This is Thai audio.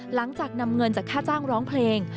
หลังจากนำเงินจากค่าจ้างร้องเพลง